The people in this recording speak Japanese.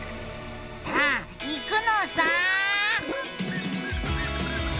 さあいくのさ！